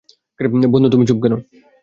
বল, তুমি চুপ কেন?